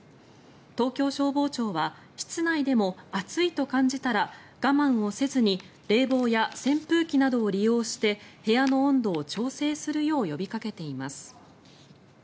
東京消防庁は室内でも暑いと感じたら我慢をせずに冷房や扇風機などを利用して部屋の温度を調整するよう呼びかけています。